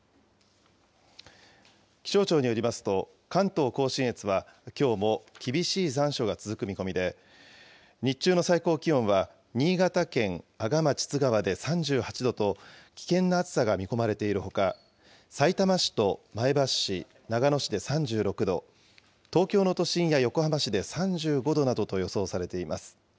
気象庁によりますと、関東甲信越はきょうも厳しい残暑が続く見込みで、日中の最高気温は新潟県阿賀町津川で３８度と、危険な暑さが見込まれているほか、さいたま市と前橋市、長野市で３６度、東京の都心や横浜市で３５度などと予想されています。